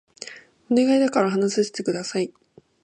お願いだから話させて下さい